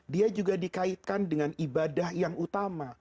dia juga dikaitkan dengan ibadah yang utama